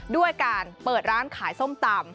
ด้วยการเปิดร้านขายส้มตำ